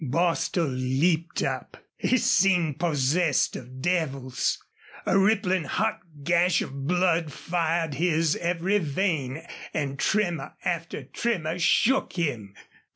Bostil leaped up. He seemed possessed of devils. A rippling hot gash of blood fired his every vein and tremor after tremor shook him.